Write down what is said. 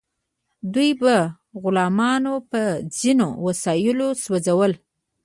دوی به غلامان په ځینو وسایلو سوځول.